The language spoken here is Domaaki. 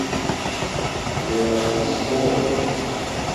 ایاشس مُو